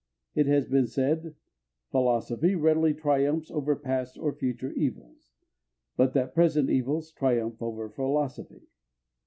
It has been said, "Philosophy readily triumphs over past or future evils, but that present evils triumph over philosophy."